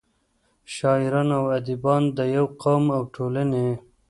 شاعران او اديبان دَيو قام او ټولنې